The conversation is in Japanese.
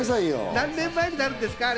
何年前になるんですか？